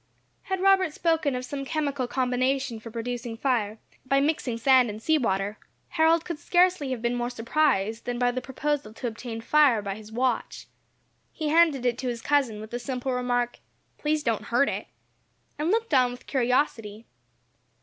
Had Robert spoken of some chemical combination for producing fire, by mixing sand and sea water, Harold could scarcely have been more surprised than by the proposal to obtain fire from his watch. He handed it to his cousin with the simple remark, "Please don't hurt it," and looked on with curiosity.